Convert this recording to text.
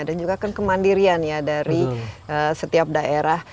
dan juga kan kemandirian ya dari setiap daerah